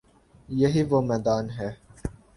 یہی وہ میدان ہے۔